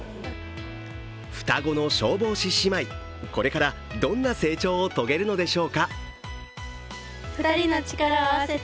双子の消防士姉妹、これからどんな成長を遂げるのでしょうか。